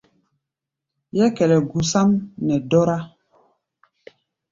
Yɛ́kɛlɛ gusáʼm nɛ dɔ́rá.